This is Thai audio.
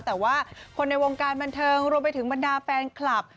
แต่ว่าคนในวงการบันเทิงรวมไปถึงบรรดาแฟนคลับ